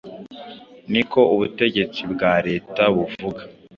Niko ubutegetsi bwa leta buvuga.”